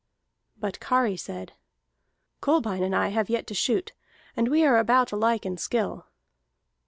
But Kari said: "Kolbein and I have yet to shoot, and we are about alike in skill."